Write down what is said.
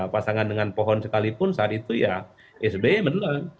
pasangan dengan pohon sekalipun saat itu ya sbe menelan